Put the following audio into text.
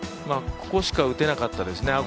ここしか打てなかったですね